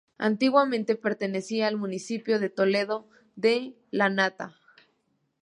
Antiguamente pertenecía al municipio de Toledo de lanata.